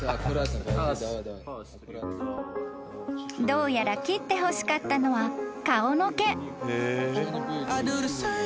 ［どうやら切ってほしかったのは顔の毛］